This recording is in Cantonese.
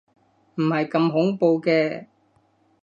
唔係咁恐怖嘅